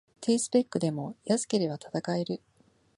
低スペックでも安ければ戦える